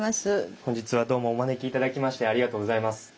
本日はどうもお招き頂きましてありがとうございます。